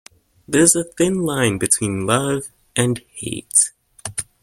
There is a thin line between love and hate.